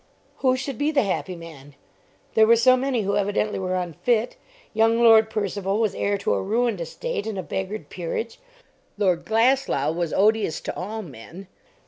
Who should be the happy man? There were so many who evidently were unfit. Young Lord Percival was heir to a ruined estate and a beggared peerage. Lord Glasslough was odious to all men.